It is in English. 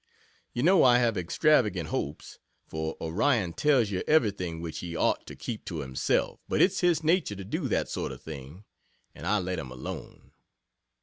You know I have extravagant hopes, for Orion tells you everything which he ought to keep to himself but it's his nature to do that sort of thing, and I let him alone.